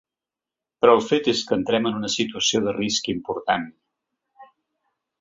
Però el fet és que entrem en una situació de risc important.